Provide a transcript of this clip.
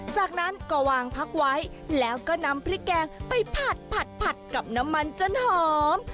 จากนั้นก็วางพักไว้แล้วก็นำพริกแกงไปผัดกับน้ำมันจนหอม